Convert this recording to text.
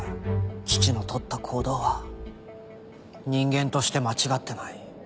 父の取った行動は人間として間違ってない。